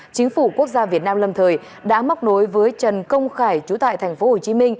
chính phủ quốc gia việt nam lâm thời đã móc nối với trần công khải chú tại tp hcm